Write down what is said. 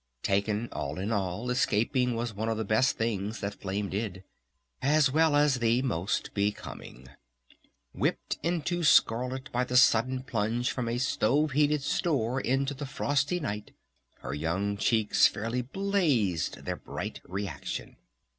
Taken all in all, escaping was one of the best things that Flame did.... As well as the most becoming! Whipped into scarlet by the sudden plunge from a stove heated store into the frosty night her young cheeks fairly blazed their bright reaction.